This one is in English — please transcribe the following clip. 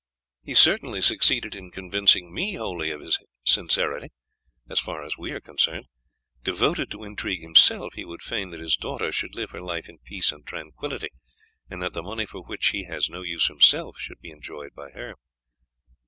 "He certainly succeeded in convincing me wholly of his sincerity, as far as we are concerned. Devoted to intrigue himself, he would fain that his daughter should live her life in peace and tranquillity, and that the money for which he has no use himself should be enjoyed by her.